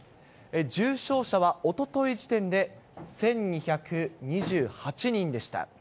重症者はおととい時点で１２２８人でした。